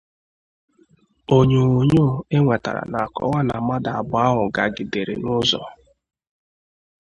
Onyoonyoo e nwetara na-akọwa na mmadụ abụọ ahụ gagidere n'ụzọ